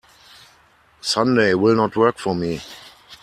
Sunday will not work for me.